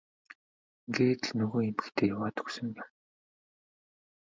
Ингээд л нөгөө эмэгтэй яваад өгсөн юм.